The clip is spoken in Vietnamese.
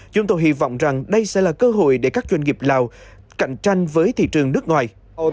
chúng tôi hy vọng rằng đây sẽ là cơ hội để các doanh nghiệp lào cạnh tranh với thị trường nước ngoài